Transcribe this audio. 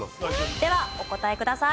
ではお答えください。